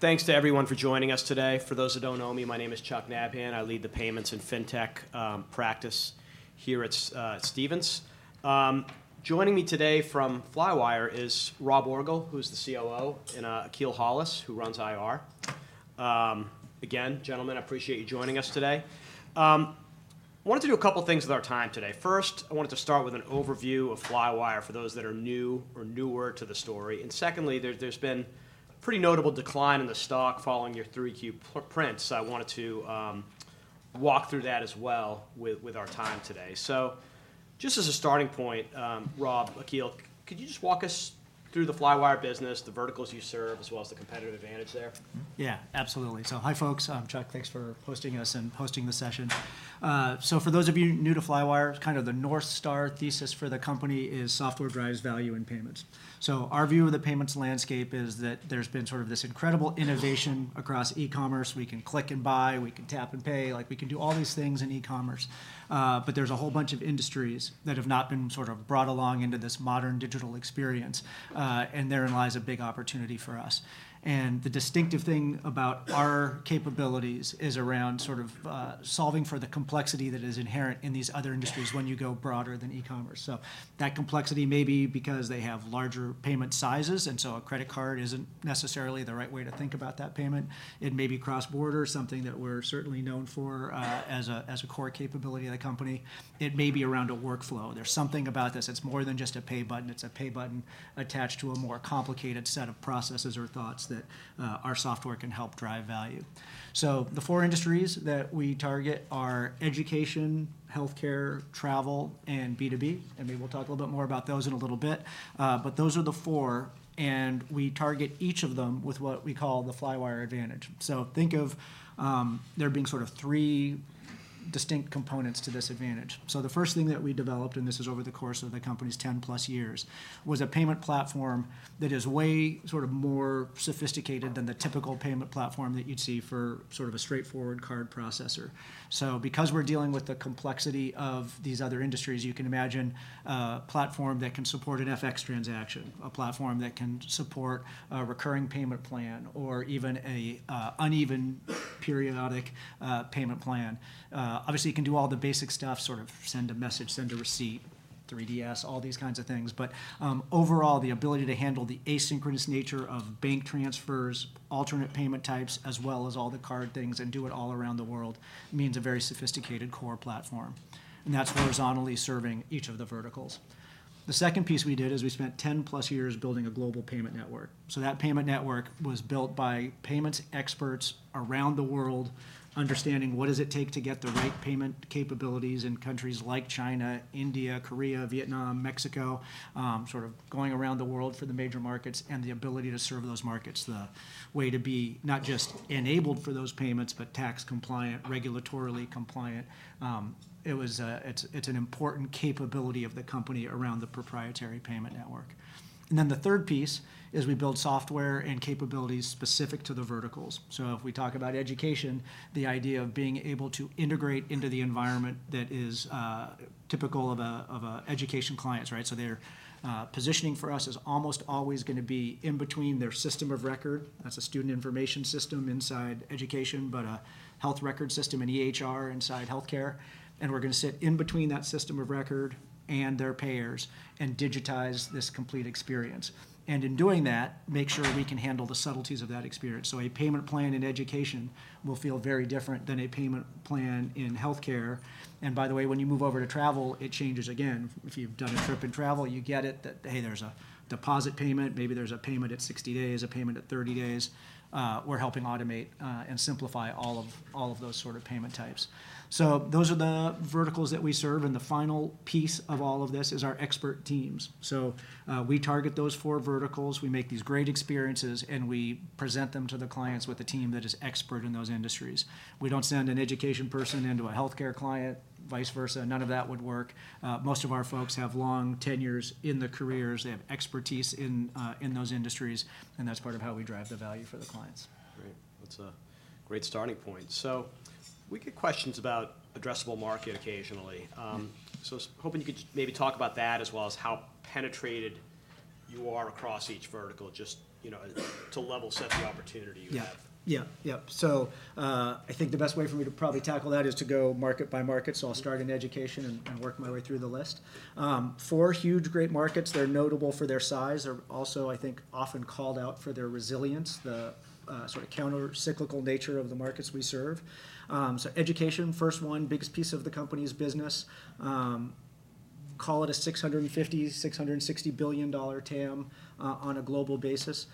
Thanks to everyone for joining us today. For those that don't know me, my name is Chuck Nabhan. I lead the Payments and Fintech practice here at Stephens. Joining me today from Flywire is Rob Orgel, who's the COO, and Akil Hollis, who runs IR. Again, gentlemen, I appreciate you joining us today. I wanted to do a couple things with our time today. First, I wanted to start with an overview of Flywire, for those that are new or newer to the story. And secondly, there's been a pretty notable decline in the stock following your 3Q prints. So I wanted to walk through that as well with our time today. So just as a starting point, Rob, Akil, could you just walk us through the Flywire business, the verticals you serve, as well as the competitive advantage there? Yeah, absolutely. So hi, folks. Chuck, thanks for hosting us and hosting the session. So for those of you new to Flywire, kind of the North Star thesis for the company is software drives value in payments. So our view of the payments landscape is that there's been sort of this incredible innovation across e-commerce. We can click and buy, we can tap and pay. Like, we can do all these things in e-commerce, but there's a whole bunch of industries that have not been sort of brought along into this modern digital experience, and therein lies a big opportunity for us. And the distinctive thing about our capabilities is around sort of solving for the complexity that is inherent in these other industries when you go broader than e-commerce. So that complexity may be because they have larger payment sizes, and so a credit card isn't necessarily the right way to think about that payment. It may be cross-border, something that we're certainly known for, as a core capability of the company. It may be around a workflow. There's something about this. It's more than just a pay button. It's a pay button attached to a more complicated set of processes or thoughts that our software can help drive value. So the four industries that we target are education, healthcare, travel, and B2B, and maybe we'll talk a little bit more about those in a little bit. But those are the four, and we target each of them with what we call the Flywire advantage. So think of there being sort of three distinct components to this advantage. So the first thing that we developed, and this is over the course of the company's 10-plus years, was a payment platform that is way sort of more sophisticated than the typical payment platform that you'd see for sort of a straightforward card processor. So because we're dealing with the complexity of these other industries, you can imagine a platform that can support an FX transaction, a platform that can support a recurring payment plan or even a uneven periodic payment plan. Obviously, you can do all the basic stuff, sort of send a message, send a receipt, 3DS, all these kinds of things. But, overall, the ability to handle the asynchronous nature of bank transfers, alternate payment types, as well as all the card things, and do it all around the world, means a very sophisticated core platform, and that's horizontally serving each of the verticals. The second piece we did is we spent 10+ years building a global payment network. So that payment network was built by payments experts around the world, understanding what does it take to get the right payment capabilities in countries like China, India, Korea, Vietnam, Mexico, sort of going around the world for the major markets and the ability to serve those markets, the way to be not just enabled for those payments, but tax-compliant, regulatorily compliant. It's an important capability of the company around the proprietary payment network. And then the third piece is we build software and capabilities specific to the verticals. So if we talk about education, the idea of being able to integrate into the environment that is typical of an education client, right? So their positioning for us is almost always gonna be in between their system of record. That's a student information system inside education, but a health record system, an EHR, inside healthcare, and we're gonna sit in between that system of record and their payers and digitize this complete experience, and in doing that, make sure we can handle the subtleties of that experience. So a payment plan in education will feel very different than a payment plan in healthcare. And by the way, when you move over to travel, it changes again. If you've done a trip and travel, you get it, that, hey, there's a deposit payment, maybe there's a payment at 60 days, a payment at 30 days. We're helping automate, and simplify all of, all of those sort of payment types. So those are the verticals that we serve, and the final piece of all of this is our expert teams. So, we target those four verticals, we make these great experiences, and we present them to the clients with a team that is expert in those industries. We don't send an education person into a healthcare client, vice versa. None of that would work. Most of our folks have long tenures in the careers. They have expertise in, in those industries, and that's part of how we drive the value for the clients. Great. That's a great starting point. We get questions about addressable market occasionally. I was hoping you could just maybe talk about that, as well as how penetrated you are across each vertical, just, you know, to level set the opportunity you have. Yeah. Yeah, yeah. So, I think the best way for me to probably tackle that is to go market by market. So I'll start in education and work my way through the list. Four huge, great markets that are notable for their size. They're also, I think, often called out for their resilience, the sort of countercyclical nature of the markets we serve. So education, first one, biggest piece of the company's business. Call it a $660 billion TAM on a global basis.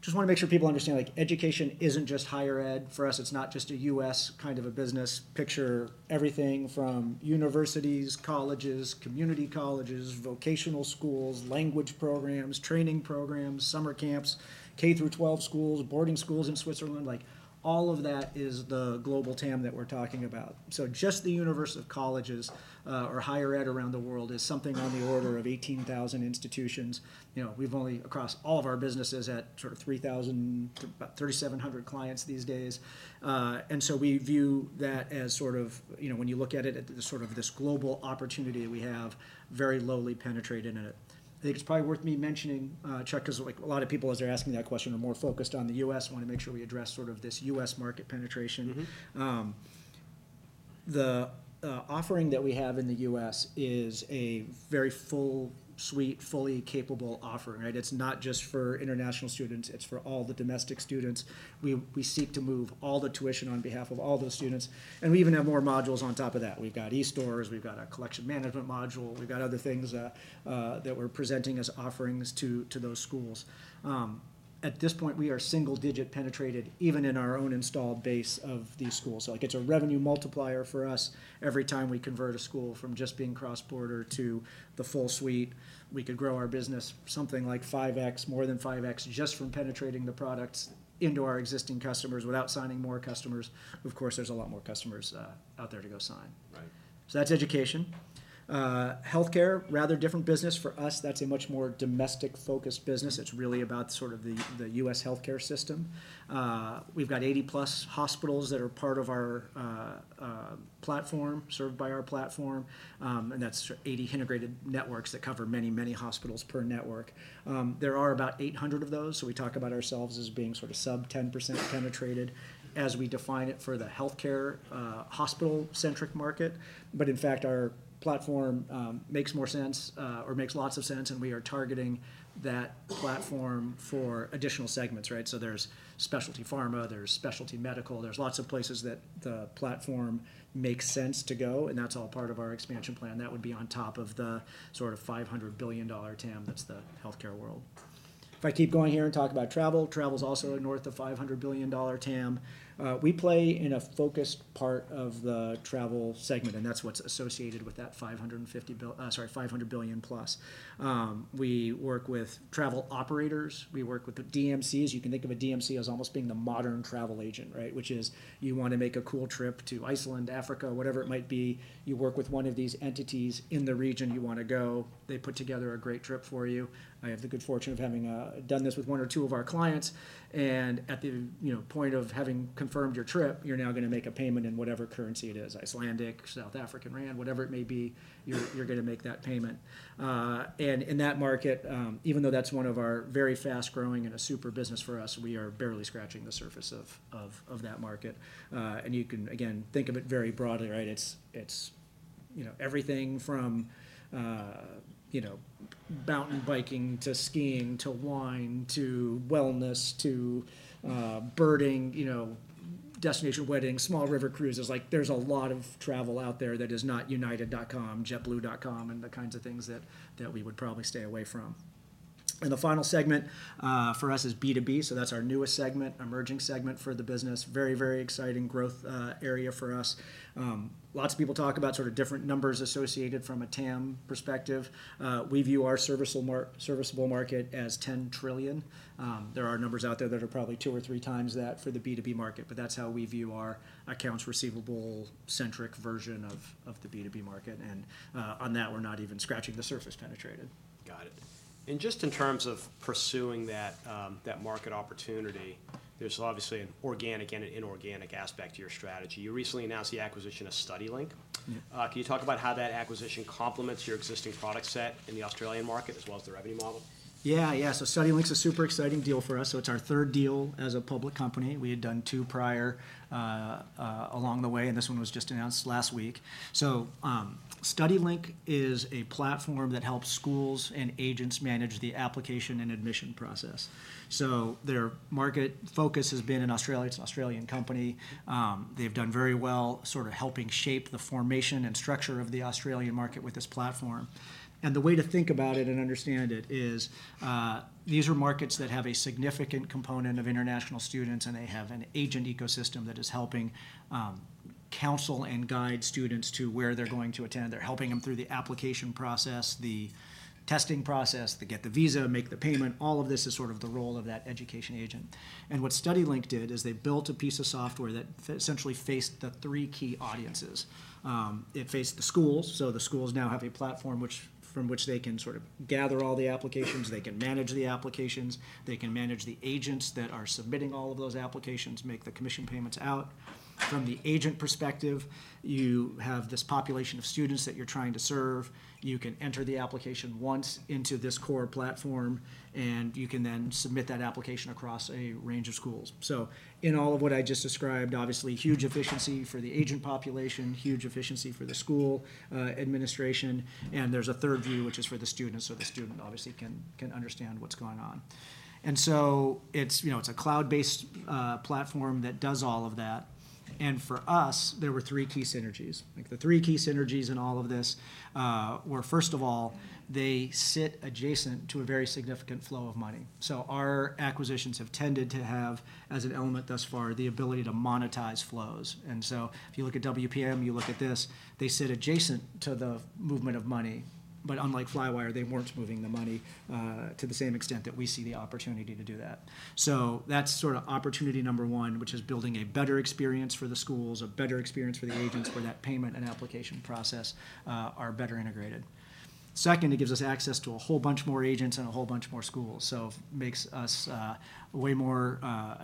Just wanna make sure people understand, like, education isn't just higher ed. For us, it's not just a U.S. kind of a business. Picture everything from universities, colleges, community colleges, vocational schools, language programs, training programs, summer camps, K-12 schools, boarding schools in Switzerland. Like, all of that is the global TAM that we're talking about. So just the universe of colleges, or higher ed around the world is something on the order of 18,000 institutions. You know, we've only, across all of our businesses, at sort of 3,000 to about 3,700 clients these days. And so we view that as sort of you know, when you look at it, at the sort of this global opportunity that we have, very lowly penetrated in it. I think it's probably worth me mentioning, Chuck, 'cause, like, a lot of people, as they're asking me that question, are more focused on the U.S. I wanna make sure we address sort of this U.S. market penetration. The offering that we have in the U.S. is a very full suite, fully capable offering, right? It's not just for international students, it's for all the domestic students. We seek to move all the tuition on behalf of all those students, and we even have more modules on top of that. We've got e-stores, we've got a collection management module, we've got other things that we're presenting as offerings to those schools. At this point, we are single-digit penetrated, even in our own installed base of these schools. So like it's a revenue multiplier for us every time we convert a school from just being cross-border to the full suite. We could grow our business something like 5x, more than 5x, just from penetrating the products into our existing customers without signing more customers. Of course, there's a lot more customers out there to go sign. Right. So that's education. Healthcare, rather different business for us. That's a much more domestic-focused business. It's really about sort of the U.S. healthcare system. We've got 80+ hospitals that are part of our platform, served by our platform, and that's 80 integrated networks that cover many, many hospitals per network. There are about 800 of those, so we talk about ourselves as being sort of sub-10% penetrated as we define it for the healthcare hospital-centric market. But in fact, our platform makes more sense or makes lots of sense, and we are targeting that platform for additional segments, right? So there's specialty pharma, there's specialty medical, there's lots of places that the platform makes sense to go, and that's all part of our expansion plan. That would be on top of the sort of $500 billion TAM, that's the healthcare world. If I keep going here and talk about travel, travel's also north of $500 billion TAM. We play in a focused part of the travel segment, and that's what's associated with that $500 billion plus. We work with travel operators, we work with the DMCs. You can think of a DMC as almost being the modern travel agent, right? Which is, you want to make a cool trip to Iceland, Africa, whatever it might be, you work with one of these entities in the region you want to go. They put together a great trip for you. I have the good fortune of having done this with one or two of our clients. At the, you know, point of having confirmed your trip, you're now gonna make a payment in whatever currency it is, Icelandic, South African rand, whatever it may be, you're, you're gonna make that payment. And in that market, even though that's one of our very fast-growing and a super business for us, we are barely scratching the surface of, of, of that market. And you can, again, think of it very broadly, right? It's, it's, you know, everything from, you know, mountain biking, to skiing, to wine, to wellness, to, uh, birding, you know, destination weddings, small river cruises. Like, there's a lot of travel out there that is not United.com, JetBlue.com, and the kinds of things that, that we would probably stay away from. And the final segment, uh, for us, is B2B, so that's our newest segment, emerging segment for the business. Very, very exciting growth area for us. Lots of people talk about sort of different numbers associated from a TAM perspective. We view our serviceable market as 10 trillion. There are numbers out there that are probably two or 3x that for the B2B market, but that's how we view our accounts receivable-centric version of the B2B market. On that, we're not even scratching the surface penetrated. Got it. And just in terms of pursuing that market opportunity, there's obviously an organic and an inorganic aspect to your strategy. You recently announced the acquisition of StudyLink. Can you talk about how that acquisition complements your existing product set in the Australian market, as well as the revenue model? Yeah, yeah. So StudyLink's a super exciting deal for us. So it's our third deal as a public company. We had done two prior, along the way, and this one was just announced last week. So, StudyLink is a platform that helps schools and agents manage the application and admission process. So their market focus has been in Australia. It's an Australian company. They've done very well sort of helping shape the formation and structure of the Australian market with this platform. And the way to think about it and understand it is, these are markets that have a significant component of international students, and they have an agent ecosystem that is helping counsel and guide students to where they're going to attend. They're helping them through the application process, the testing process, to get the visa, make the payment. All of this is sort of the role of that education agent. And what StudyLink did is they built a piece of software that essentially faced the three key audiences. It faced the schools, so the schools now have a platform from which they can sort of gather all the applications, they can manage the applications, they can manage the agents that are submitting all of those applications, make the commission payments out. From the agent perspective, you have this population of students that you're trying to serve. You can enter the application once into this core platform, and you can then submit that application across a range of schools. So in all of what I just described, obviously, huge efficiency for the agent population, huge efficiency for the school administration, and there's a third view, which is for the student, so the student obviously can understand what's going on. And so it's, you know, it's a cloud-based platform that does all of that. And for us, there were three key synergies. I think the three key synergies in all of this were, first of all, they sit adjacent to a very significant flow of money. So our acquisitions have tended to have, as an element thus far, the ability to monetize flows. And so if you look at WPM, you look at this, they sit adjacent to the movement of money. But unlike Flywire, they weren't moving the money to the same extent that we see the opportunity to do that. So that's sort of opportunity number one, which is building a better experience for the schools, a better experience for the agents, where that payment and application process are better integrated. Second, it gives us access to a whole bunch more agents and a whole bunch more schools. So makes us way more.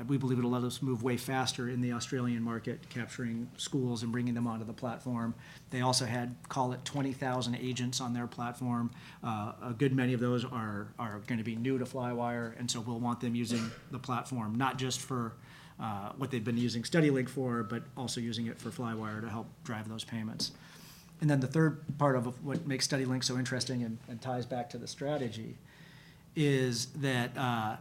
We believe it'll allow us to move way faster in the Australian market, capturing schools and bringing them onto the platform. They also had, call it, 20,000 agents on their platform. A good many of those are gonna be new to Flywire, and so we'll want them using the platform, not just for what they've been using StudyLink for, but also using it for Flywire to help drive those payments. And then the third part of what makes StudyLink so interesting, and ties back to the strategy, is that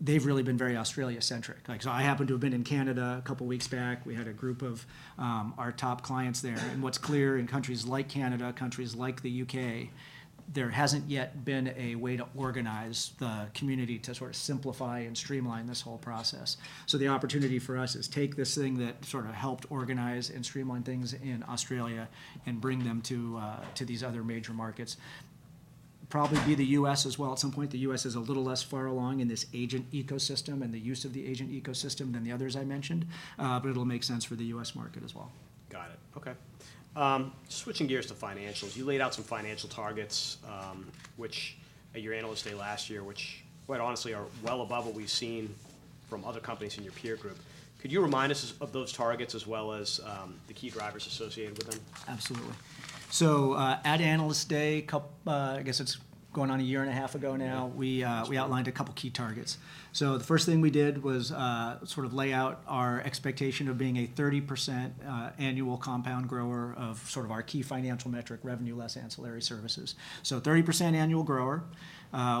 they've really been very Australia-centric. Like, so I happen to have been in Canada a couple weeks back. We had a group of our top clients there, and what's clear in countries like Canada, countries like the U.K., there hasn't yet been a way to organize the community to sort of simplify and streamline this whole process. So the opportunity for us is take this thing that sort of helped organize and streamline things in Australia and bring them to these other major markets. Probably be the U.S. as well at some point. The U.S. is a little less far along in this agent ecosystem and the use of the agent ecosystem than the others I mentioned, but it'll make sense for the U.S. market as well. Got it. Okay. Switching gears to financials, you laid out some financial targets, which at your Analyst Day last year, which, quite honestly, are well above what we've seen from other companies in your peer group. Could you remind us of those targets as well as the key drivers associated with them? Absolutely. So, at Analyst Day, I guess it's going on a year and a half ago now. We, we outlined a couple key targets. So the first thing we did was, sort of lay out our expectation of being a 30%, annual compound grower of sort of our key financial metric, revenue less ancillary services. So 30% annual grower.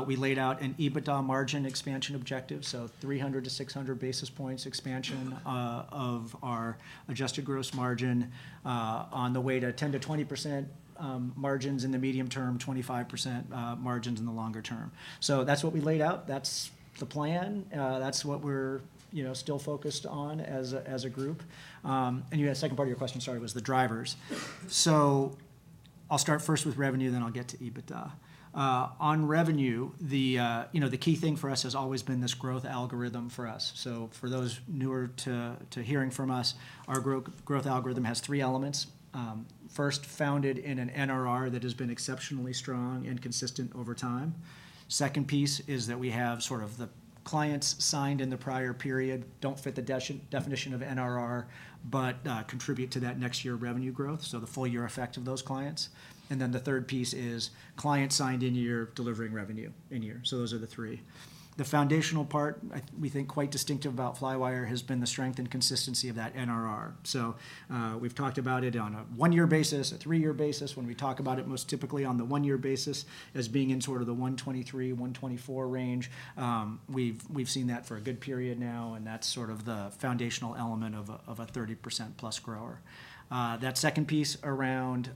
We laid out an EBITDA margin expansion objective, so 300-600 basis points expansion, of our adjusted gross margin, on the way to 10%-20%, margins in the medium term, 25%, margins in the longer term. So that's what we laid out. That's the plan. That's what we're, you know, still focused on as a, as a group. And yeah, the second part of your question, sorry, was the drivers. So I'll start first with revenue, then I'll get to EBITDA. On revenue, you know, the key thing for us has always been this growth algorithm for us. So for those newer to hearing from us, our growth algorithm has three elements. First, founded in an NRR that has been exceptionally strong and consistent over time. Second piece is that we have sort of the clients signed in the prior period, don't fit the definition of NRR, but contribute to that next year revenue growth, so the full year effect of those clients. And then the third piece is clients signed in the year delivering revenue in the year. So those are the three. The foundational part, we think quite distinctive about Flywire, has been the strength and consistency of that NRR. So we've talked about it on a one-year basis, a three-year basis. When we talk about it, most typically on the one-year basis as being in sort of the 123-124 range. We've seen that for a good period now, and that's sort of the foundational element of a 30%+ grower. That second piece around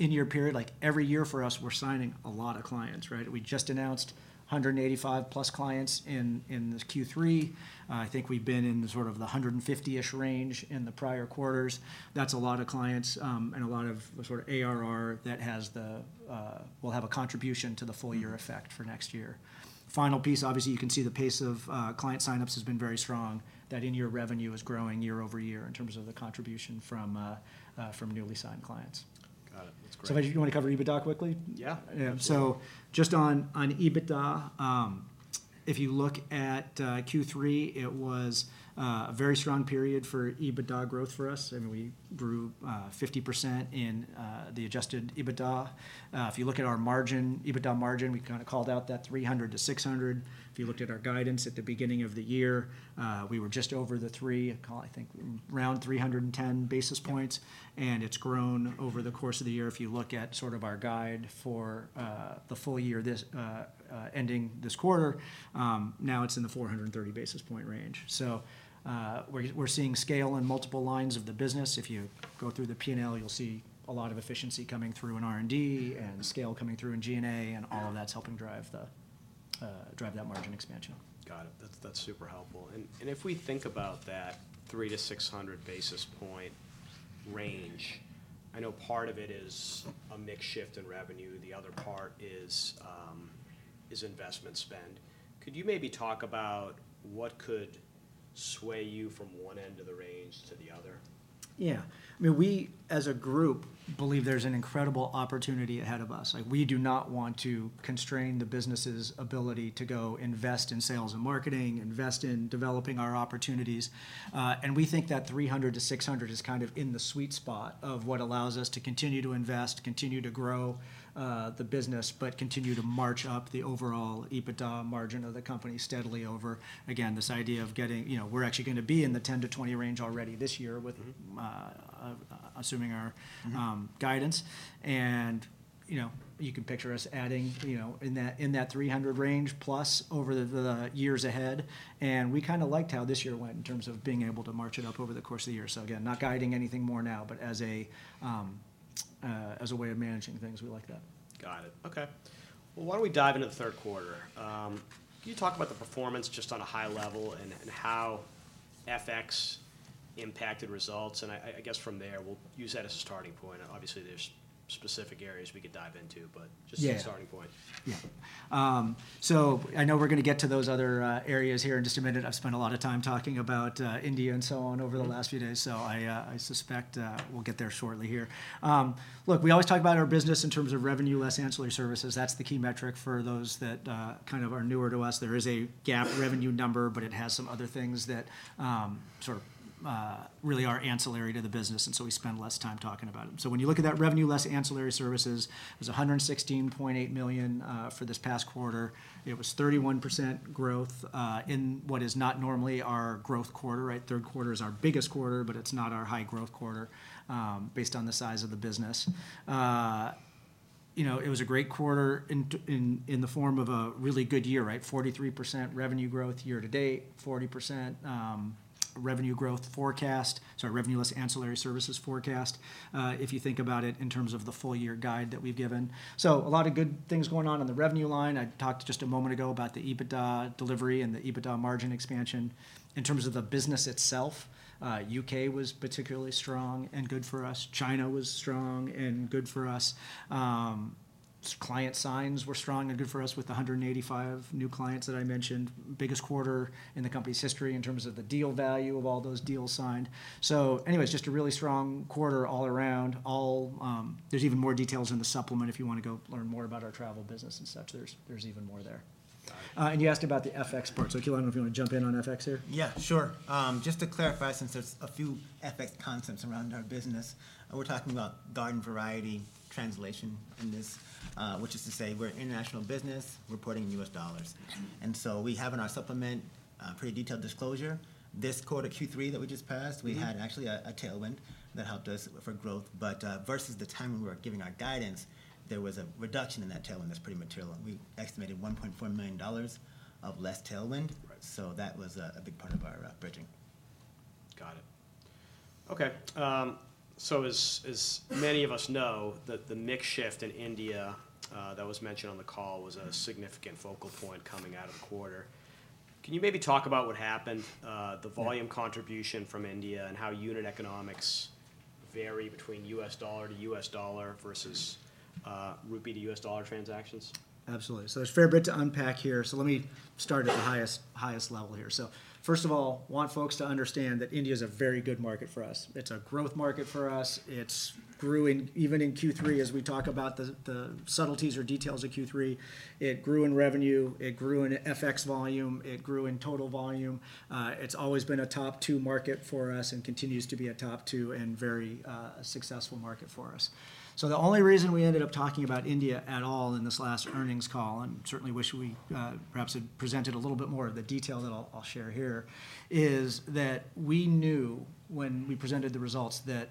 in your period, like, every year for us, we're signing a lot of clients, right? We just announced 185+ clients in this Q3. I think we've been in the sort of the 150 range in the prior quarters. That's a lot of clients, and a lot of the sort of ARR that has the will have a contribution to the full Year effect for next year. Final piece, obviously, you can see the pace of client sign-ups has been very strong, that in-year revenue is growing year-over-year in terms of the contribution from newly signed clients. Got it. That's great. Do you want to cover EBITDA quickly? Yeah. So just on EBITDA, if you look at Q3, it was a very strong period for EBITDA growth for us, and we grew 50% in the adjusted EBITDA. If you look at our margin, EBITDA margin, we kind of called out that 300-600. If you looked at our guidance at the beginning of the year, we were just over the three, I call, I think, around 310 basis points, and it's grown over the course of the year. If you look at sort of our guide for the full year, this ending this quarter, now it's in the 430 basis point range. So, we're seeing scale in multiple lines of the business. If you go through the P&L, you'll see a lot of efficiency coming through in R&D and scale coming through in G&A- Yeah and all of that's helping drive the drive that margin expansion. Got it. That's, that's super helpful. And, and if we think about that 300-600 basis point range, I know part of it is a mix shift in revenue, the other part is investment spend. Could you maybe talk about what could sway you from one end of the range to the other? Yeah. I mean, we, as a group, believe there's an incredible opportunity ahead of us. Like, we do not want to constrain the business's ability to go invest in sales and marketing, invest in developing our opportunities, and we think that 300-600 is kind of in the sweet spot of what allows us to continue to invest, continue to grow, the business, but continue to march up the overall EBITDA margin of the company steadily over, again, this idea of getting. You know, we're actually gonna be in the 10-20 range already this year with assuming our- guidance. You know, you can picture us adding, you know, in that 300 range plus over the years ahead, and we kind of liked how this year went in terms of being able to march it up over the course of the year. So again, not guiding anything more now, but as a way of managing things, we like that. Got it. Okay. Well, why don't we dive into the third quarter? Can you talk about the performance just on a high level and how FX impacted results? And I guess from there, we'll use that as a starting point. Obviously, there's specific areas we could dive into, but- Yeah just a starting point. Yeah. So I know we're gonna get to those other areas here in just a minute. I've spent a lot of time talking about India and so on over the last few days, so I suspect we'll get there shortly here. Look, we always talk about our business in terms of revenue less ancillary services. That's the key metric for those that kind of are newer to us. There is a GAAP revenue number, but it has some other things that sort of really are ancillary to the business, and so we spend less time talking about it. So when you look at that revenue less ancillary services, it was $116.8 million for this past quarter. It was 31% growth in what is not normally our growth quarter, right? Third quarter is our biggest quarter, but it's not our high-growth quarter, based on the size of the business. You know, it was a great quarter in the form of a really good year, right? 43% revenue growth year to date, 40% revenue growth forecast. Sorry, revenue less ancillary services forecast, if you think about it in terms of the full year guide that we've given. So a lot of good things going on in the revenue line. I talked just a moment ago about the EBITDA delivery and the EBITDA margin expansion. In terms of the business itself, UK was particularly strong and good for us. China was strong and good for us. Client signs were strong and good for us, with 185 new clients that I mentioned. Biggest quarter in the company's history in terms of the deal value of all those deals signed. So anyways, just a really strong quarter all around. All, there's even more details in the supplement if you want to go learn more about our travel business and such. There's, there's even more there. And you asked about the FX part, so Akil, if you want to jump in on FX here? Yeah, sure. Just to clarify, since there's a few FX concepts around our business, we're talking about garden variety translation in this, which is to say we're an international business reporting in U.S. dollars. And so we have in our supplement a pretty detailed disclosure. This quarter, Q3, that we just passed we had actually a tailwind that helped us for growth. But versus the time we were giving our guidance, there was a reduction in that tailwind that's pretty material, and we estimated $1.4 million of less tailwind. Right. That was a big part of our bridging. Got it. Okay, so as many of us know, the mix shift in India that was mentioned on the call was a significant focal point coming out of the quarter. Can you maybe talk about what happened? Yeah the volume contribution from India, and how unit economics vary between U.S. dollar to U.S. dollar transactions versus, rupee to U.S. dollar transactions? Absolutely. So there's a fair bit to unpack here, so let me start at the highest, highest level here. So first of all, want folks to understand that India is a very good market for us. It's a growth market for us. It's growing even in Q3, as we talk about the subtleties or details of Q3. It grew in revenue, it grew in FX volume, it grew in total volume. It's always been a top two market for us and continues to be a top two and very successful market for us. So the only reason we ended up talking about India at all in this last earnings call, and certainly wish we, perhaps had presented a little bit more of the detail that I'll, I'll share here, is that we knew when we presented the results that,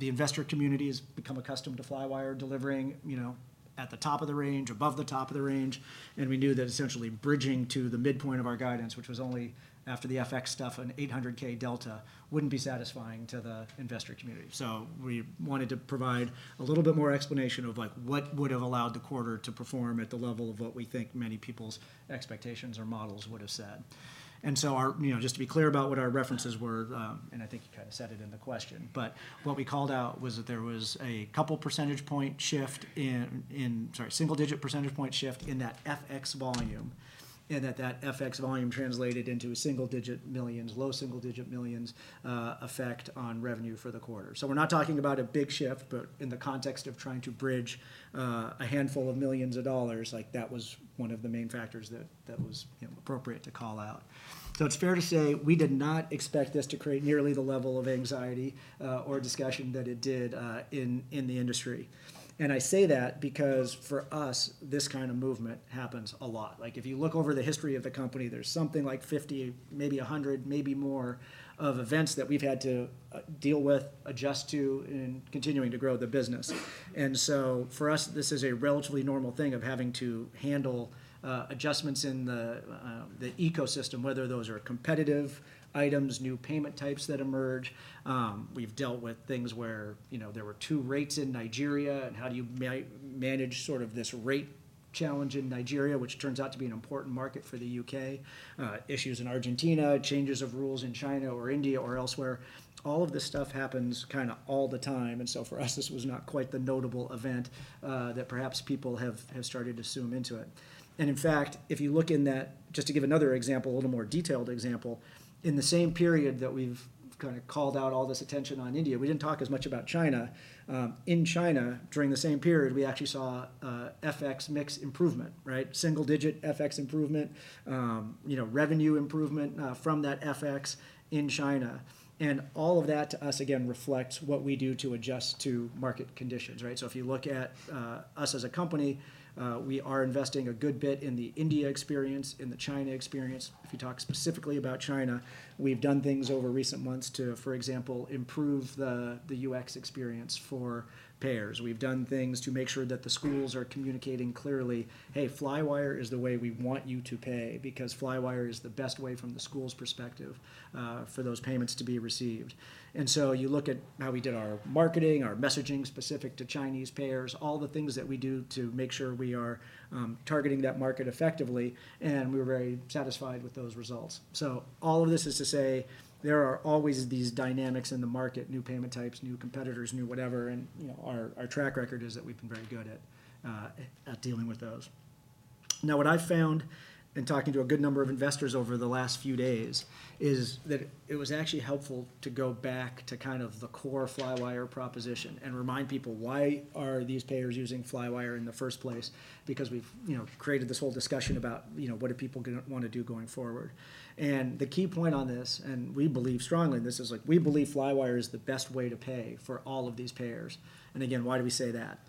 the investor community has become accustomed to Flywire delivering, you know, at the top of the range, above the top of the range. And we knew that essentially bridging to the midpoint of our guidance, which was only after the FX stuff, an $800,000 delta, wouldn't be satisfying to the investor community. So we wanted to provide a little bit more explanation of, like, what would have allowed the quarter to perform at the level of what we think many people's expectations or models would have said. And so, you know, just to be clear about what our references were, and I think you kind of said it in the question, but what we called out was that there was a couple percentage point shift in that FX volume. Sorry, single-digit percentage point shift in that FX volume, and that FX volume translated into single-digit millions, low single-digit millions effect on revenue for the quarter. So we're not talking about a big shift, but in the context of trying to bridge a handful of millions of dollars, like, that was one of the main factors that was, you know, appropriate to call out. So it's fair to say, we did not expect this to create nearly the level of anxiety or discussion that it did in the industry. And I say that because for us, this kind of movement happens a lot. Like, if you look over the history of the company, there's something like 50, maybe 100, maybe more, of events that we've had to deal with, adjust to, in continuing to grow the business. And so for us, this is a relatively normal thing of having to handle adjustments in the ecosystem, whether those are competitive items, new payment types that emerge. We've dealt with things where, you know, there were two rates in Nigeria, and how do you manage sort of this rate challenge in Nigeria, which turns out to be an important market for the UK. Issues in Argentina, changes of rules in China or India or elsewhere. All of this stuff happens kind of all the time, and so for us, this was not quite the notable event, that perhaps people have, have started to assume into it. And in fact, if you look in that. Just to give another example, a little more detailed example, in the same period that we've kind of called out all this attention on India, we didn't talk as much about China. In China, during the same period, we actually saw, FX mix improvement, right? Single digit FX improvement, you know, revenue improvement, from that FX in China. And all of that, to us, again, reflects what we do to adjust to market conditions, right? So if you look at, us as a company, we are investing a good bit in the India experience, in the China experience. If you talk specifically about China, we've done things over recent months to, for example, improve the UX experience for payers. We've done things to make sure that the schools are communicating clearly, "Hey, Flywire is the way we want you to pay," because Flywire is the best way from the school's perspective for those payments to be received. And so you look at how we did our marketing, our messaging, specific to Chinese payers, all the things that we do to make sure we are targeting that market effectively, and we're very satisfied with those results. So all of this is to say, there are always these dynamics in the market, new payment types, new competitors, new whatever, and, you know, our track record is that we've been very good at dealing with those. Now, what I've found in talking to a good number of investors over the last few days, is that it was actually helpful to go back to kind of the core Flywire proposition and remind people, why are these payers using Flywire in the first place? Because we've, you know, created this whole discussion about, you know, what do people want to do going forward. And the key point on this, and we believe strongly in this, is like, we believe Flywire is the best way to pay for all of these payers. And again, why do we say that?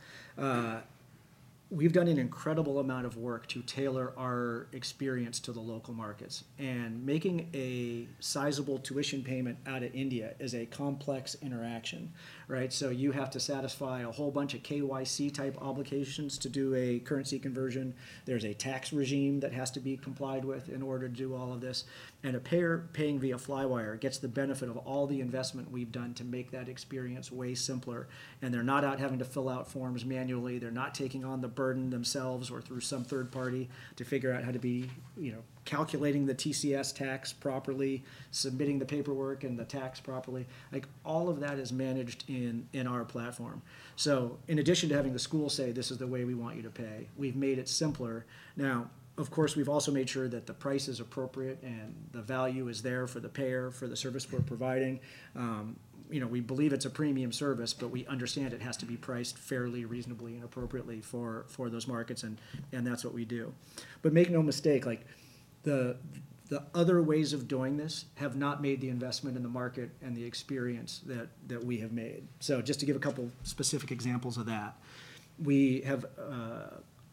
We've done an incredible amount of work to tailor our experience to the local markets. And making a sizable tuition payment out of India is a complex interaction, right? So you have to satisfy a whole bunch of KYC-type obligations to do a currency conversion. There's a tax regime that has to be complied with in order to do all of this. A payer paying via Flywire gets the benefit of all the investment we've done to make that experience way simpler, and they're not out having to fill out forms manually. They're not taking on the burden themselves or through some third party to figure out how to be, you know, calculating the TCS tax properly, submitting the paperwork and the tax properly. Like, all of that is managed in our platform. So in addition to having the school say, "This is the way we want you to pay," we've made it simpler. Now, of course, we've also made sure that the price is appropriate, and the value is there for the payer for the service we're providing. You know, we believe it's a premium service, but we understand it has to be priced fairly, reasonably, and appropriately for those markets, and that's what we do. But make no mistake, like, the other ways of doing this have not made the investment in the market and the experience that we have made. So just to give a couple specific examples of that, we have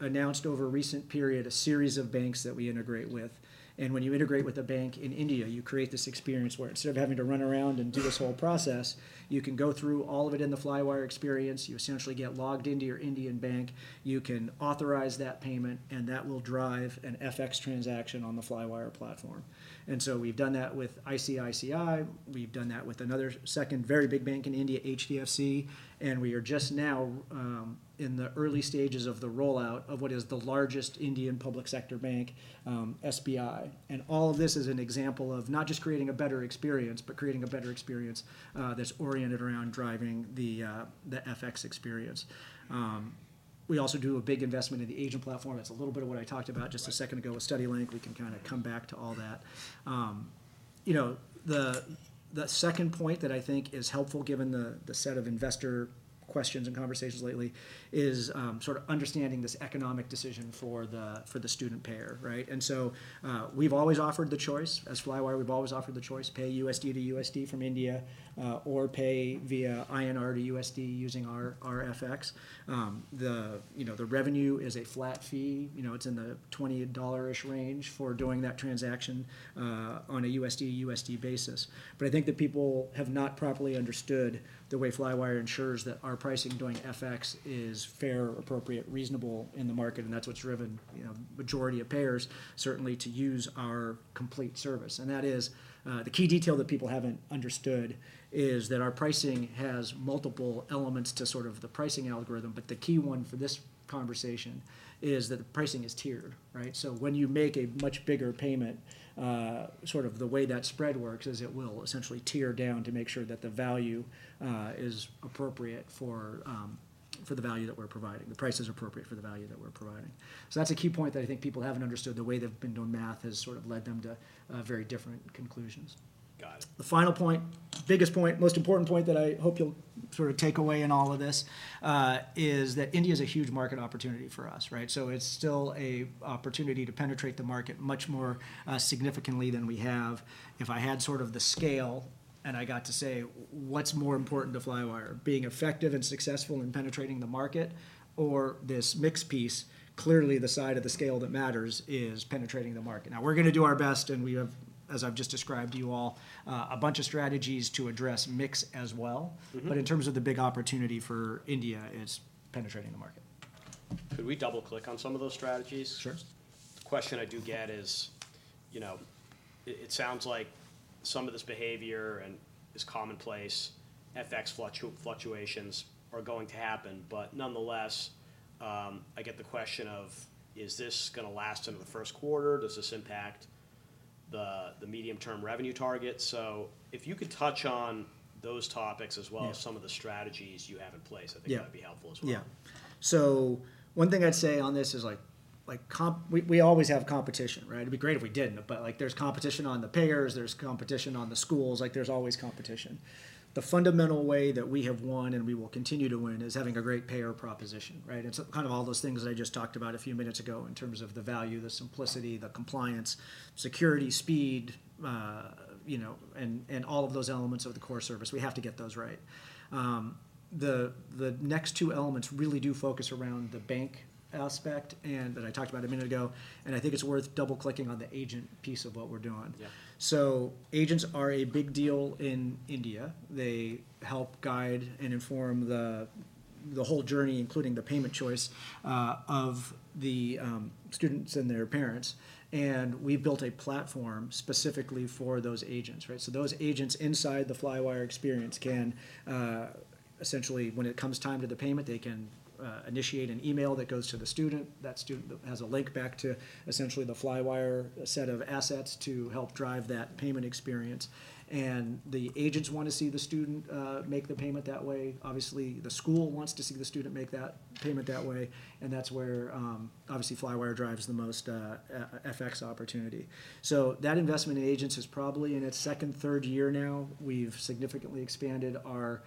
announced over a recent period a series of banks that we integrate with, and when you integrate with a bank in India, you create this experience where instead of having to run around and do this whole process, you can go through all of it in the Flywire experience. You essentially get logged into your Indian bank. You can authorize that payment, and that will drive an FX transaction on the Flywire platform. And so we've done that with ICICI. We've done that with another second very big bank in India, HDFC, and we are just now in the early stages of the rollout of what is the largest Indian public sector bank, SBI. And all of this is an example of not just creating a better experience, but creating a better experience that's oriented around driving the FX experience. We also do a big investment in the agent platform. That's a little bit of what I talked about just a second ago with StudyLink. We can kinda come back to all that. You know, the second point that I think is helpful, given the set of investor questions and conversations lately, is sort of understanding this economic decision for the student payer, right? And so, we've always offered the choice. As Flywire, we've always offered the choice, pay USD to USD from India, or pay via INR to USD using our FX. You know, the revenue is a flat fee. You know, it's in the $20-ish range for doing that transaction, on a USD-to-USD basis. But I think that people have not properly understood the way Flywire ensures that our pricing doing FX is fair, appropriate, reasonable in the market, and that's what's driven, you know, majority of payers certainly to use our complete service. And that is the key detail that people haven't understood is that our pricing has multiple elements to sort of the pricing algorithm, but the key one for this conversation is that the pricing is tiered, right? So when you make a much bigger payment, sort of the way that spread works is it will essentially tier down to make sure that the value is appropriate for the value that we're providing—the price is appropriate for the value that we're providing. So that's a key point that I think people haven't understood. The way they've been doing math has sort of led them to very different conclusions. Got it. The final point, biggest point, most important point that I hope you'll sort of take away in all of this, is that India's a huge market opportunity for us, right? So it's still a opportunity to penetrate the market much more, significantly than we have. If I had sort of the scale, and I got to say, "What's more important to Flywire, being effective and successful in penetrating the market or this mix piece?" Clearly, the side of the scale that matters is penetrating the market. Now, we're gonna do our best, and we have, as I've just described to you all, a bunch of strategies to address mix as well. In terms of the big opportunity for India, it's penetrating the market. Could we double-click on some of those strategies? Sure. The question I do get is, you know, it sounds like some of this behavior and this commonplace FX fluctuations are going to happen, but nonetheless, I get the question of: "Is this gonna last into the first quarter? Does this impact the medium-term revenue target?" So if you could touch on those topics as well- Yeah as some of the strategies you have in place- Yeah I think that'd be helpful as well. Yeah. So one thing I'd say on this is like, we always have competition, right? It'd be great if we didn't, but, like, there's competition on the payers. There's competition on the schools. Like, there's always competition. The fundamental way that we have won and we will continue to win is having a great payer proposition, right? It's kind of all those things that I just talked about a few minutes ago in terms of the value, the simplicity, the compliance, security, speed, you know, and all of those elements of the core service. We have to get those right. The next two elements really do focus around the bank aspect and that I talked about a minute ago, and I think it's worth double-clicking on the agent piece of what we're doing. Yeah. So agents are a big deal in India. They help guide and inform the whole journey, including the payment choice of the students and their parents, and we've built a platform specifically for those agents, right? So those agents inside the Flywire experience can essentially, when it comes time to the payment, they can initiate an email that goes to the student. That student- it has a link back to essentially the Flywire set of assets to help drive that payment experience, and the agents wanna see the student make the payment that way. Obviously, the school wants to see the student make that payment that way, and that's where obviously Flywire drives the most FX opportunity. So that investment in agents is probably in its second, third year now. We've significantly expanded our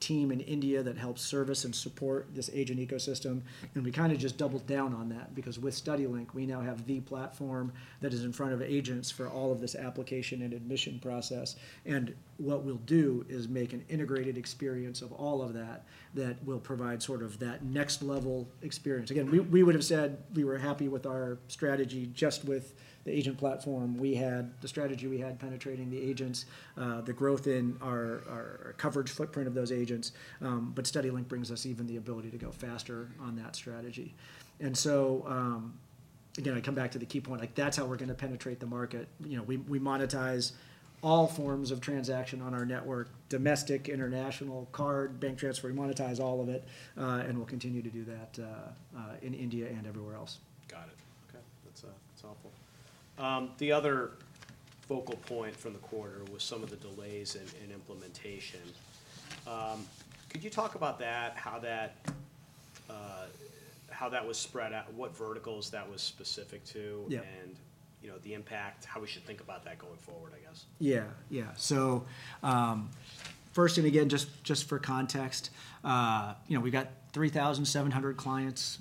team in India that helps service and support this agent ecosystem, and we kinda just doubled down on that, because with StudyLink, we now have the platform that is in front of agents for all of this application and admission process. And what we'll do is make an integrated experience of all of that, that will provide sort of that next-level experience. Again, we would've said we were happy with our strategy just with the agent platform we had, the strategy we had penetrating the agents, the growth in our coverage footprint of those agents, but StudyLink brings us even the ability to go faster on that strategy. And so, again, I come back to the key point, like, that's how we're gonna penetrate the market. You know, we monetize all forms of transaction on our network: domestic, international, card, bank transfer. We monetize all of it, and we'll continue to do that, in India and everywhere else. Got it. Okay. That's, that's helpful. The other focal point from the quarter was some of the delays in implementation. Could you talk about that, how that was spread out, what verticals that was specific to? Yeah and, you know, the impact, how we should think about that going forward, I guess? Yeah, yeah. So, first, and again, just, just for context, you know, we've got 3,700 clients,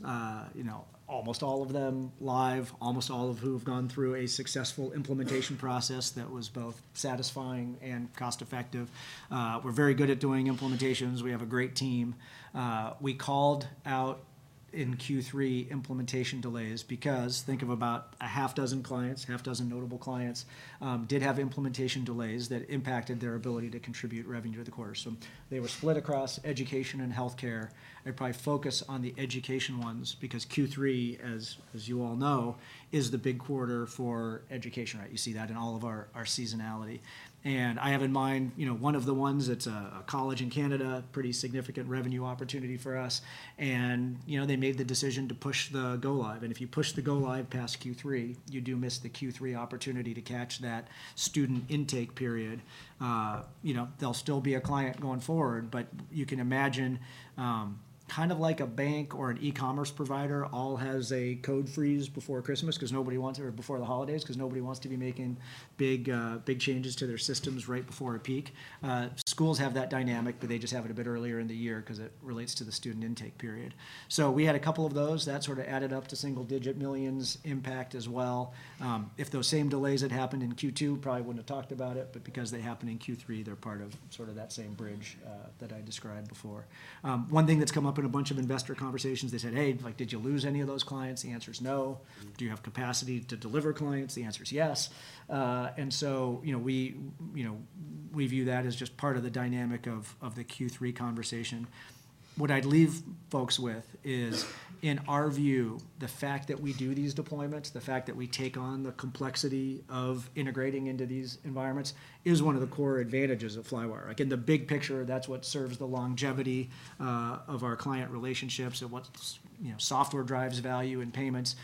you know, almost all of them live, almost all of who have gone through a successful implementation process that was both satisfying and cost-effective. We're very good at doing implementations. We have a great team. We called out in Q3 implementation delays because think of about six clients, six notable clients, did have implementation delays that impacted their ability to contribute revenue to the quarter. So they were split across education and healthcare. I'd probably focus on the education ones because Q3, as you all know, is the big quarter for education, right? You see that in all of our, our seasonality. I have in mind, you know, one of the ones that's a college in Canada, pretty significant revenue opportunity for us, and, you know, they made the decision to push the go-live. And if you push the go-live past Q3, you do miss the Q3 opportunity to catch that student intake period. You know, they'll still be a client going forward, but you can imagine, kind of like a bank or an e-commerce provider, all has a code freeze before Christmas 'cause nobody wants or before the holidays, 'cause nobody wants to be making big, big changes to their systems right before a peak. Schools have that dynamic, but they just have it a bit earlier in the year 'cause it relates to the student intake period. So we had a couple of those. That sort of added up to $1 million-$9 million impact as well. If those same delays had happened in Q2, probably wouldn't have talked about it, but because they happened in Q3, they're part of sort of that same bridge, that I described before. One thing that's come up in a bunch of investor conversations, they said, "Hey, like, did you lose any of those clients?" The answer is no. Do you have capacity to deliver clients?" The answer is yes. And so, you know, we view that as just part of the dynamic of the Q3 conversation. What I'd leave folks with is, in our view, the fact that we do these deployments, the fact that we take on the complexity of integrating into these environments, is one of the core advantages of Flywire. Like, in the big picture, that's what serves the longevity of our client relationships and what's, you know, software drives value and payments,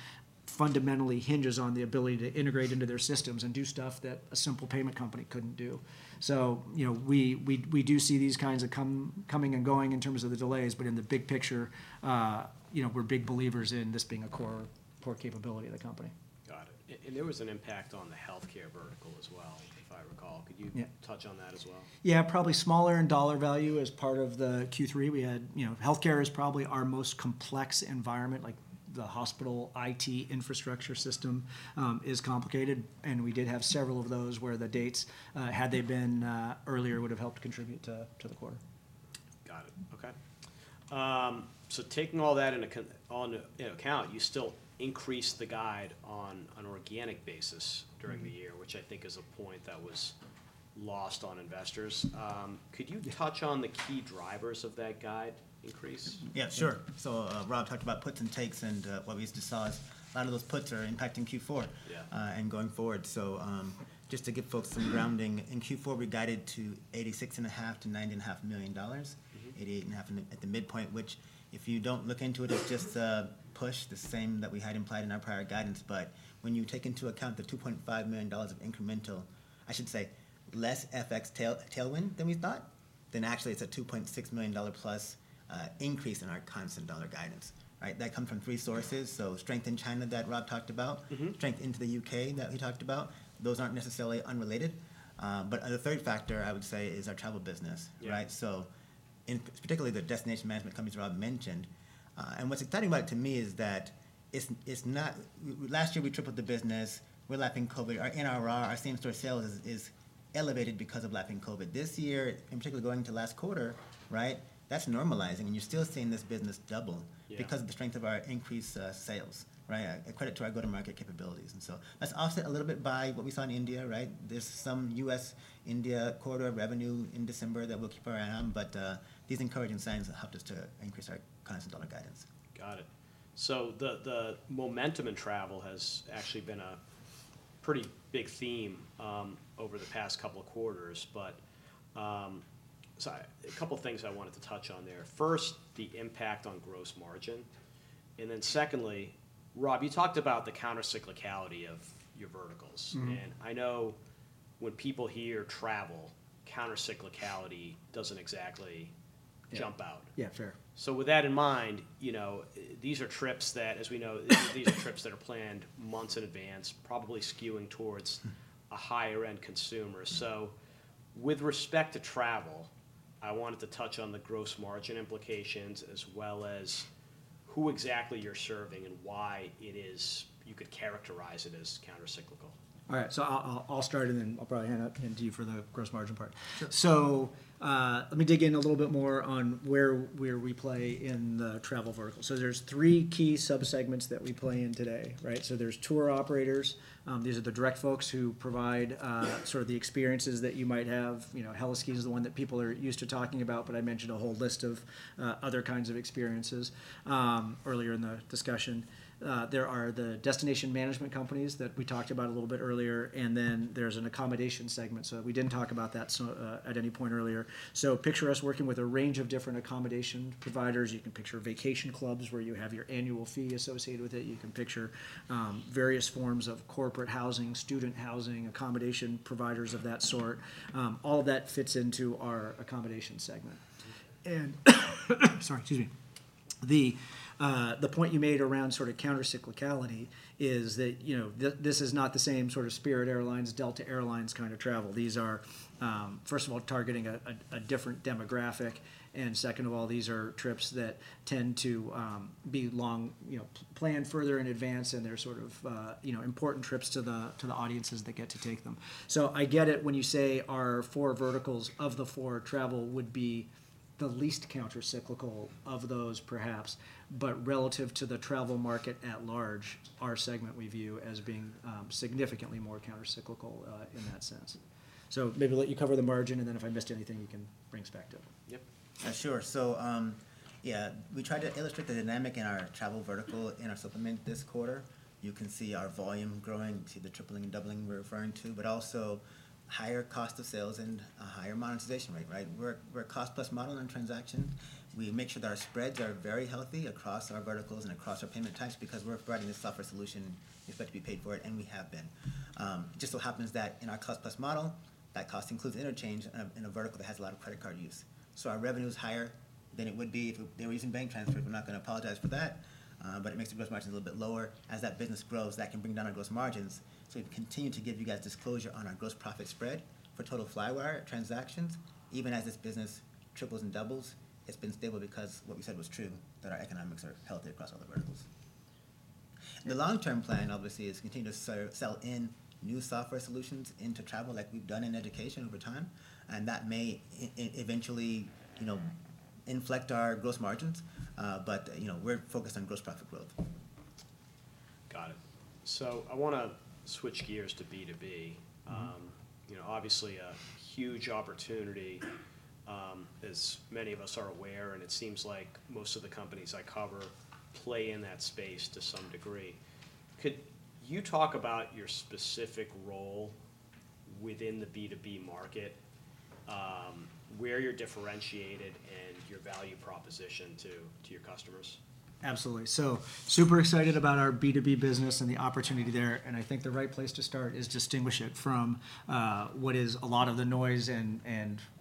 fundamentally hinges on the ability to integrate into their systems and do stuff that a simple payment company couldn't do. So, you know, we do see these kinds of coming and going in terms of the delays, but in the big picture, you know, we're big believers in this being a core, core capability of the company. Got it. And there was an impact on the healthcare vertical as well, if I recall. Yeah. Could you touch on that as well? Yeah, probably smaller in dollar value as part of the Q3. You know, healthcare is probably our most complex environment, like the hospital IT infrastructure system is complicated, and we did have several of those where the dates, had they been earlier, would've helped contribute to the quarter. Got it. Okay. So taking all that into account, you know, you still increased the guide on an organic basis during the year- which I think is a point that was lost on investors. Could you touch on the key drivers of that guide increase? Yeah, sure. So, Rob talked about puts and takes, and what we just saw is a lot of those puts are impacting Q4. Yeah and going forward. So, just to give folks some grounding, in Q4, we guided to $86.5 million-$90.5 million. $88.5 at the midpoint, which, if you don't look into it, is just a push, the same that we had implied in our prior guidance. But when you take into account the $2.5 million of incremental, I should say, less FX tailwind than we thought, then actually it's a $2.6 million plus increase in our constant dollar guidance, right? That come from three sources, so strength in China that Rob talked about strength into the U.K. that we talked about. Those aren't necessarily unrelated. But, the third factor, I would say, is our travel business, right? Yeah. So in particular the destination management companies Rob mentioned, and what's exciting about it to me is that it's, it's not-- Last year, we tripled the business. We're lapping COVID. Our NRR, our same-store sales is, is elevated because of lapping COVID. This year, in particular, going into last quarter, right, that's normalizing, and you're still seeing this business double- Yeah because of the strength of our increased sales, right? A credit to our go-to-market capabilities, and so that's offset a little bit by what we saw in India, right? There's some U.S.-India corridor revenue in December that we'll keep our eye on, but these encouraging signs helped us to increase our constant dollar guidance. Got it. So the momentum in travel has actually been a pretty big theme over the past couple of quarters, but so a couple of things I wanted to touch on there. First, the impact on gross margin, and then secondly, Rob, you talked about the countercyclicality of your verticals. I know when people hear travel, countercyclicality doesn't exactly- Yeah jump out. Yeah, fair. So with that in mind, you know, these are trips that, as we know, these are trips that are planned months in advance, probably skewing towards a higher-end consumer. So with respect to travel, I wanted to touch on the gross margin implications as well as who exactly you're serving and why it is you could characterize it as countercyclical? All right, so I'll start, and then I'll probably hand to you for the gross margin part. Sure. So, let me dig in a little bit more on where we play in the travel vertical. So there's three key sub-segments that we play in today, right? So there's tour operators, these are the direct folks who provide sort of the experiences that you might have. You know, Heliski is the one that people are used to talking about, but I mentioned a whole list of other kinds of experiences earlier in the discussion. There are the destination management companies that we talked about a little bit earlier, and then there's an accommodation segment. So we didn't talk about that at any point earlier. So picture us working with a range of different accommodation providers. You can picture vacation clubs, where you have your annual fee associated with it. You can picture various forms of corporate housing, student housing, accommodation providers of that sort. All that fits into our accommodation segment. And sorry, excuse me. The point you made around sort of countercyclicality is that, you know, this is not the same sort of Spirit Air lines, Delta Air lines kind of travel. These are, first of all, targeting a different demographic, and second of all, these are trips that tend to be long-planned further in advance, and they're sort of, you know, important trips to the audiences that get to take them. So I get it when you say our four verticals, of the four, travel would be the least countercyclical of those, perhaps. But relative to the travel market at large, our segment we view as being significantly more countercyclical, in that sense. So maybe I'll let you cover the margin, and then if I missed anything, you can bring us back to it. Yep. Yeah, sure. So, yeah, we tried to illustrate the dynamic in our travel vertical in our supplement this quarter. You can see our volume growing. You can see the tripling and doubling we're referring to, but also higher cost of sales and a higher monetization rate, right? We're, we're a cost-plus model on transactions. We make sure that our spreads are very healthy across our verticals and across our payment types because we're providing a software solution, expect to be paid for it, and we have been. It just so happens that in our cost-plus model, that cost includes interchange in a, in a vertical that has a lot of credit card use. So our revenue is higher than it would be if they were using bank transfer. We're not gonna apologize for that, but it makes the gross margins a little bit lower. As that business grows, that can bring down our gross margins. So we've continued to give you guys disclosure on our gross profit spread for total Flywire transactions. Even as this business triples and doubles, it's been stable because what we said was true, that our economics are healthy across all the verticals. Yep. The long-term plan, obviously, is to continue to sell in new software solutions into travel like we've done in education over time, and that may eventually, you know, inflect our gross margins. But, you know, we're focused on gross profit growth. Got it. So I wanna switch gears to B2B. You know, obviously a huge opportunity, as many of us are aware, and it seems like most of the companies I cover play in that space to some degree. Could you talk about your specific role within the B2B market, where you're differentiated, and your value proposition to, to your customers? Absolutely. So super excited about our B2B business and the opportunity there, and I think the right place to start is distinguish it from what is a lot of the noise and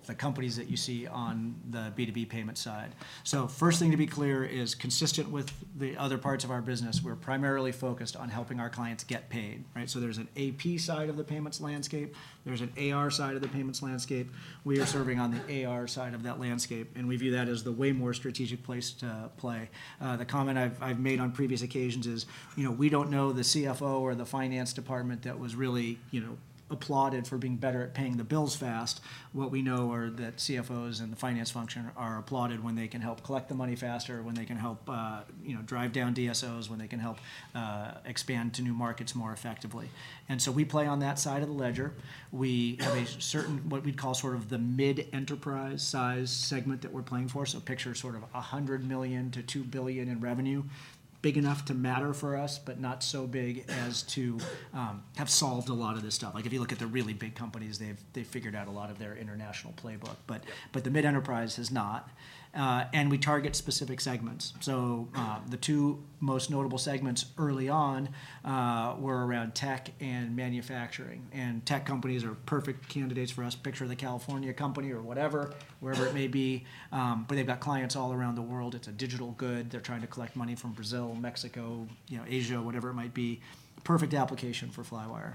the companies that you see on the B2B payment side. So first thing to be clear is, consistent with the other parts of our business, we're primarily focused on helping our clients get paid, right? So there's an AP side of the payments landscape, there's an AR side of the payments landscape. We are serving on the AR side of that landscape, and we view that as the way more strategic place to play. The comment I've made on previous occasions is, you know, we don't know the CFO or the finance department that was really, you know, applauded for being better at paying the bills fast. What we know is that CFOs and the finance function are applauded when they can help collect the money faster, when they can help, you know, drive down DSOs, when they can help expand to new markets more effectively, and so we play on that side of the ledger. We have a certain, what we'd call sort of the mid-enterprise size segment that we're playing for. So picture sort of $100 million-$2 billion in revenue, big enough to matter for us, but not so big as to have solved a lot of this stuff. Like, if you look at the really big companies, they've figured out a lot of their international playbook, but the mid-enterprise has not, and we target specific segments. So, the two most notable segments early on were around tech and manufacturing, and tech companies are perfect candidates for us. Picture the California company or whatever, wherever it may be, but they've got clients all around the world. It's a digital good. They're trying to collect money from Brazil, Mexico, you know, Asia, whatever it might be. Perfect application for Flywire.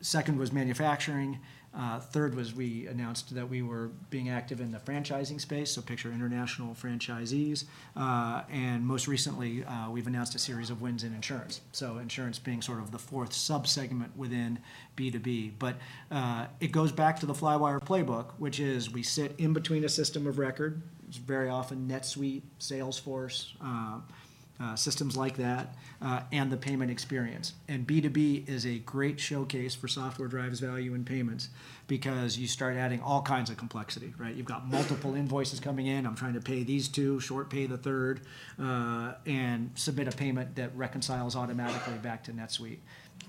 Second was manufacturing. Third was we announced that we were being active in the franchising space, so picture international franchisees. And most recently, we've announced a series of wins in insurance, so insurance being sort of the fourth sub-segment within B2B. But, it goes back to the Flywire playbook, which is, we sit in between a system of record, which is very often NetSuite, Salesforce, systems like that, and the payment experience. B2B is a great showcase for software drives value in payments because you start adding all kinds of complexity, right? You've got multiple invoices coming in. I'm trying to pay these two, short pay the third, and submit a payment that reconciles automatically back to NetSuite.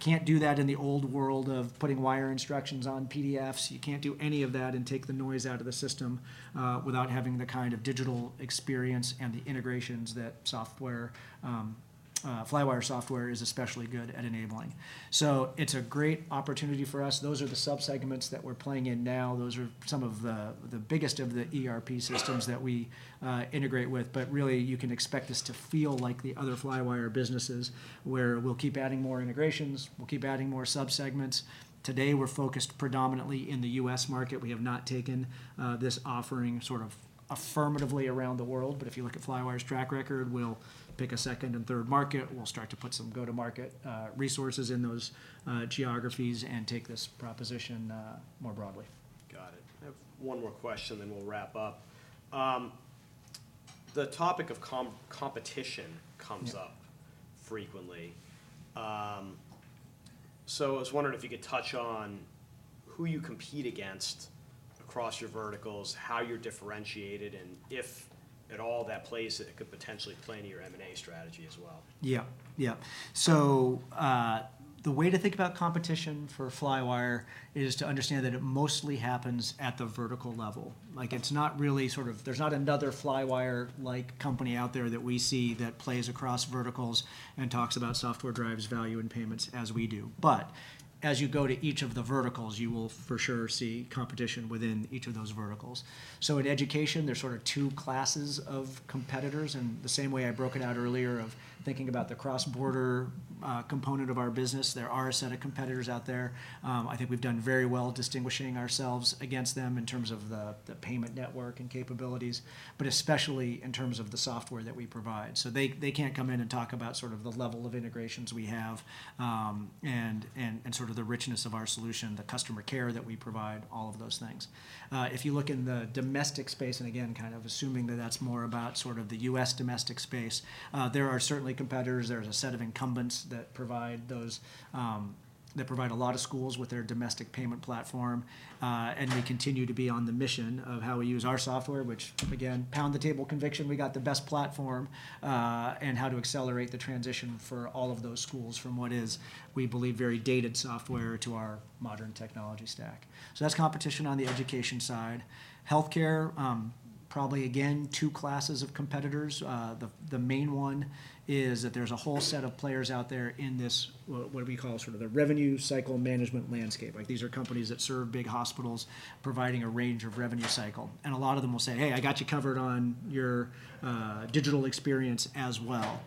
Can't do that in the old world of putting wire instructions on PDFs. You can't do any of that and take the noise out of the system, without having the kind of digital experience and the integrations that software, Flywire software is especially good at enabling. So it's a great opportunity for us. Those are the sub-segments that we're playing in now. Those are some of the biggest of the ERP systems that we integrate with. But really, you can expect this to feel like the other Flywire businesses, where we'll keep adding more integrations, we'll keep adding more sub-segments. Today, we're focused predominantly in the U.S. market. We have not taken this offering sort of affirmatively around the world, but if you look at Flywire's track record, we'll pick a second and third market. We'll start to put some go-to-market resources in those geographies, and take this proposition more broadly. Got it. I have one more question, then we'll wrap up. The topic of competition comes up- Yeah frequently. So I was wondering if you could touch on who you compete against across your verticals, how you're differentiated, and if at all that plays, it could potentially play into your M&A strategy as well? Yeah. Yeah. So, the way to think about competition for Flywire is to understand that it mostly happens at the vertical level. Okay. Like, it's not really sort of, there's not another Flywire-like company out there that we see that plays across verticals and talks about software drives value and payments as we do. But as you go to each of the verticals, you will for sure see competition within each of those verticals. So in education, there's sort of two classes of competitors, and the same way I broke it out earlier of thinking about the cross-border component of our business, there are a set of competitors out there. I think we've done very well distinguishing ourselves against them in terms of the payment network and capabilities, but especially in terms of the software that we provide. So they can't come in and talk about sort of the level of integrations we have, and sort of the richness of our solution, the customer care that we provide, all of those things. If you look in the domestic space, and again, kind of assuming that that's more about sort of the U.S. domestic space, there are certainly competitors. There's a set of incumbents that provide those that provide a lot of schools with their domestic payment platform. And we continue to be on the mission of how we use our software, which, again, pound the table conviction, we got the best platform, and how to accelerate the transition for all of those schools from what is, we believe, very dated software to our modern technology stack. So that's competition on the education side. Healthcare, probably, again, two classes of competitors. The main one is that there's a whole set of players out there in this, what we call sort of the revenue cycle management landscape. Like, these are companies that serve big hospitals, providing a range of revenue cycle. And a lot of them will say, "Hey, I got you covered on your digital experience as well."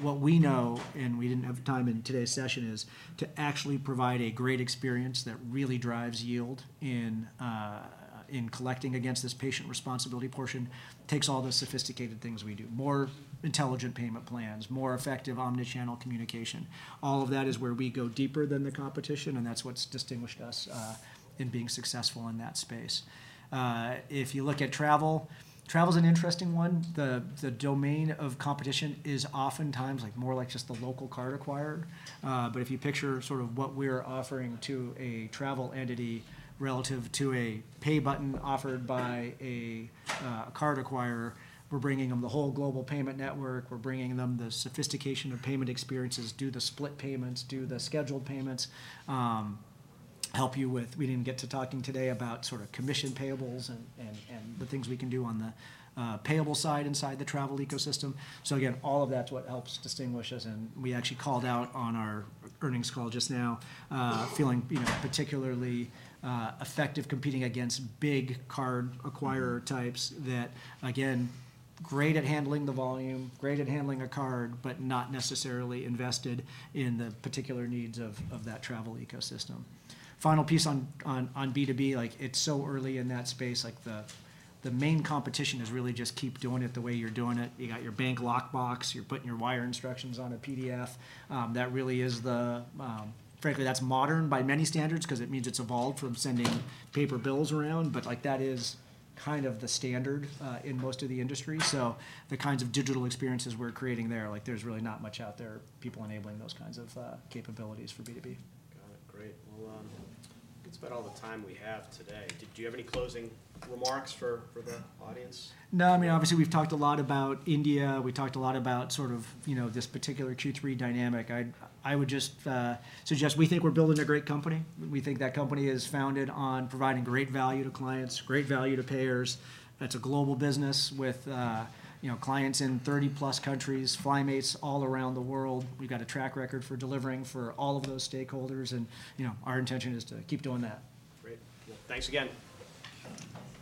What we know, and we didn't have time in today's session, is to actually provide a great experience that really drives yield in collecting against this patient responsibility portion, takes all the sophisticated things we do. More intelligent payment plans, more effective omni-channel communication. All of that is where we go deeper than the competition, and that's what's distinguished us in being successful in that space. If you look at travel, travel's an interesting one. The domain of competition is oftentimes, like, more like just the local card acquirer. But if you picture sort of what we're offering to a travel entity relative to a pay button offered by a card acquirer, we're bringing them the whole global payment network. We're bringing them the sophistication of payment experiences, do the split payments, do the scheduled payments, help you with. We didn't get to talking today about sort of commission payables and the things we can do on the payable side inside the travel ecosystem. So again, all of that's what helps distinguish us, and we actually called out on our earnings call just now feeling, you know, particularly, effective competing against big card acquirer types that, again, great at handling the volume, great at handling a card, but not necessarily invested in the particular needs of that travel ecosystem. Final piece on B2B, like, it's so early in that space. Like, the main competition is really just keep doing it the way you're doing it. You got your bank lockbox. You're putting your wire instructions on a PDF. That really is the frankly, that's modern by many standards 'cause it means it's evolved from sending paper bills around, but, like, that is kind of the standard in most of the industry. So the kinds of digital experiences we're creating there, like, there's really not much out there, people enabling those kinds of capabilities for B2B. Got it. Great. Well, I think that's about all the time we have today. Did you have any closing remarks for the audience? No, I mean, obviously, we've talked a lot about India. We talked a lot about sort of, you know, this particular Q3 dynamic. I would just suggest we think we're building a great company. We think that company is founded on providing great value to clients, great value to payers. That's a global business with, you know, clients in 30-plus countries, FlyMates all around the world. We've got a track record for delivering for all of those stakeholders, and, you know, our intention is to keep doing that. Great. Well, thanks again.